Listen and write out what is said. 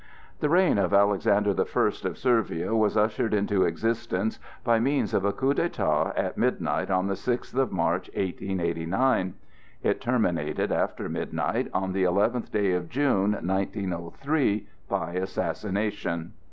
The reign of Alexander the First of Servia was ushered into existence by means of a coup d'état at midnight on the sixth of March, 1889; it terminated after midnight on the eleventh day of June, 1903, by assassination.